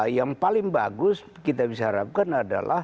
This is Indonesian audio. yang paling bagus kita bisa harapkan adalah